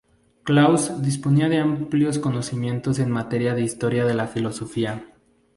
Klaus disponía de amplios conocimientos en materia de historia de la filosofía.